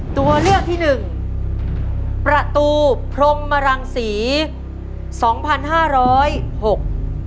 ตัวเลือกที่หนึ่งประตูพรมรังศรีสองพันห้าร้อยหก